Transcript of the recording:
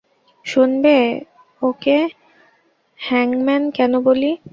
শুনবে ওকে হ্যাংম্যান কেন বলি?